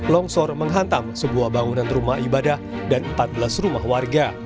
longsor menghantam sebuah bangunan rumah ibadah dan empat belas rumah warga